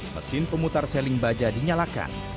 mesin pemutar seling baja dinyalakan